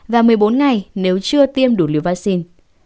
và một mươi bốn ngày nếu chưa tiêm đủ liều vaccine